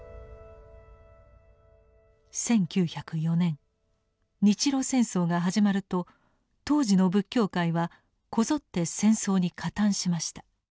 １９０４年日露戦争が始まると当時の仏教界はこぞって戦争に加担しました。